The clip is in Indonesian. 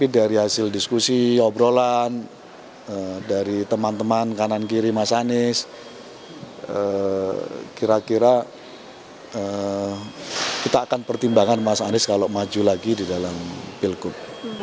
dari hasil diskusi obrolan dari teman teman kanan kiri mas anies kira kira kita akan pertimbangkan mas anies kalau maju lagi di dalam pilgub